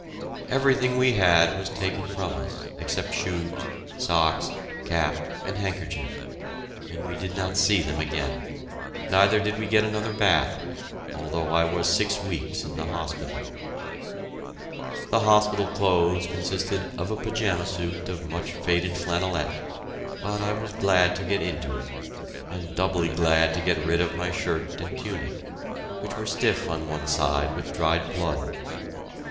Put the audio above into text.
Everything we had was taken from us except shoes, socks, cap, and handkerchief, and we did not see them again: neither did we get another bath, although I was six weeks in the hospital. The hospital clothes consisted of a pajama suit of much faded flannelette, but I was glad to get into it, and doubly glad to get rid of my shirt and tunic, which were stiff on one side with dried blood.